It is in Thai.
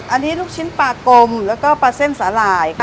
อันนี้ลูกชิ้นปลากลมแล้วก็ปลาเส้นสาหร่ายค่ะ